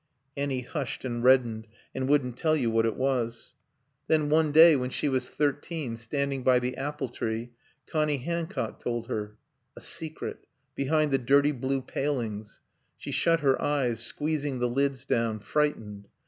Annie hushed and reddened and wouldn't tell you what it was. Then one day, when she was thirteen, standing by the apple tree, Connie Hancock told her. A secret... Behind the dirty blue palings... She shut her eyes, squeezing the lids down, frightened.